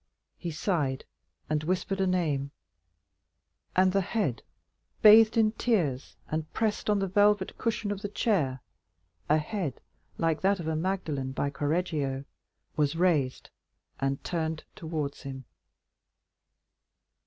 He sighed, and whispered a name, and the head bathed in tears and pressed on the velvet cushion of the chair—a head like that of a Magdalen by Correggio—was raised and turned towards him.